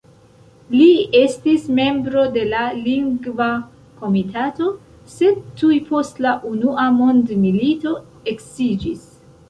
Li estis membro de la Lingva Komitato, sed tuj post la unua mondmilito eksiĝis.